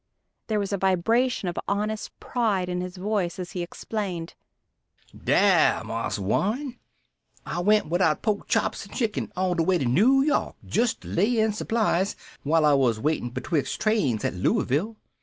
There was a vibration of honest pride in his voice as he explained: "Dere, Marse Warren. I went widout po'k chops an' chicken all de way to Noo York jest to lay in supplies while I was waitin' betwixt trains at Lueyville!